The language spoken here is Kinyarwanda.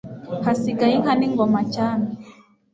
Hasigaye inka n'ingoma cyami